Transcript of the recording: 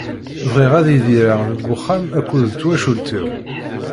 Bɣiɣ ad idireɣ deg uxxam akked twacult-iw.